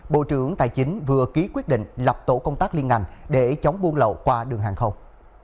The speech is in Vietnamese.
bộ trưởng tài chính vừa ký quyết định lập tổ công tác liên ngành để chống buôn lậu qua đường hàng không